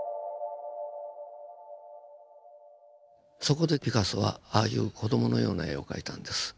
そこでピカソはああいう子供のような絵を描いたんです。